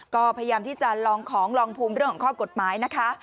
ก็พยายามที่จะลองของลองภูมิเรื่องของข้อกฎหมายนะคะ